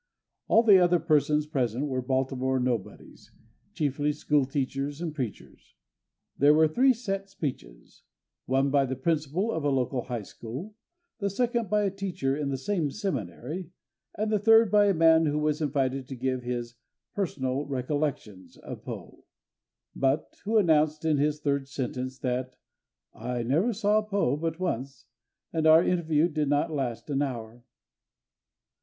All the other persons present were Baltimore nobodies—chiefly schoolteachers and preachers. There were three set speeches—one by the principal of a local high school, the second by a teacher in the same seminary, and the third by a man who was invited to give his "personal recollections" of Poe, but who announced in his third sentence that "I never saw Poe but once, and our interview did not last an hour."